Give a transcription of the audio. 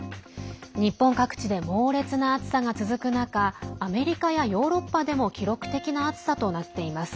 日本各地で猛烈な暑さが続く中アメリカやヨーロッパでも記録的な暑さとなっています。